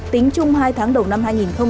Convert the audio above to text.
tính chung hai tháng đầu năm hai nghìn hai mươi